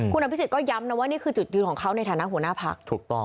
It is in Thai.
คุณอภิษฎก็ย้ำนะว่านี่คือจุดยืนของเขาในฐานะหัวหน้าพัก